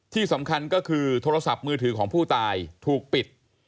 ที่สำคัญก็คือโทรศัพท์มือถือของผู้ตายถูกปิด